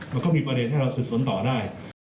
มันก็มีประเด็นให้เราสืบสวนต่อได้